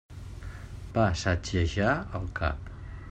Va sacsejar el cap.